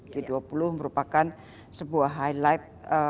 g dua puluh merupakan sebuah highlight